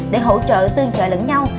để hỗ trợ tương trợ lẫn nhau